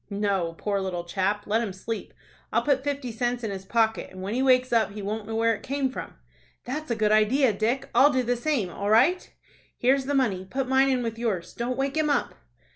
"No, poor little chap! Let him sleep. I'll put fifty cents in his pocket, and when he wakes up he won't know where it came from." "That's a good idea, Dick. I'll do the same. All right." "Here's the money. Put mine in with yours. Don't wake him up."